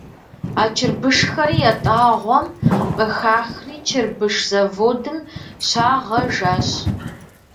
А чырбышхэри ятӏагъуэм къыхахри чырбыш заводым щагъэжащ.